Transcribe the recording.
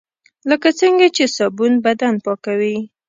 لکه څنګه چې صابون بدن پاکوي .